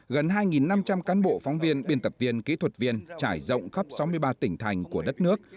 gần hai năm trăm linh cán bộ phóng viên biên tập viên kỹ thuật viên trải rộng khắp sáu mươi ba tỉnh thành của đất nước